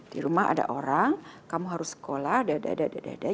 di rumah ada orang kamu harus sekolah dedek